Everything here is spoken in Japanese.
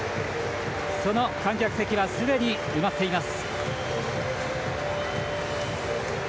その観客席はすでに埋まっています。